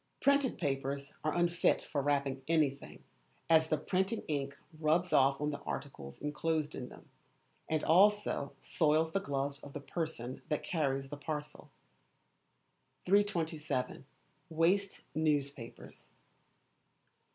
Printed papers are unfit for wrapping anything, as the printing ink rubs off on the articles enclosed in them, and also soils the gloves of the person that carries the parcel. 327. Waste Newspapers.